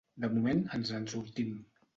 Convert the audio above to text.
De moment ens en sortim.